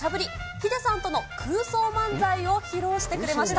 ヒデさんとの空想漫才を披露してくれました。